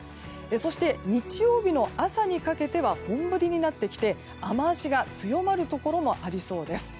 そして日曜日の朝にかけては本降りになってきて雨脚が強まるところもありそうです。